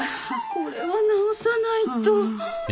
これは直さないと。